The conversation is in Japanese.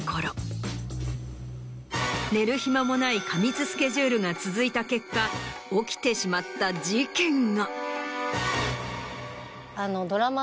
寝る暇もない過密スケジュールが続いた結果起きてしまった事件が。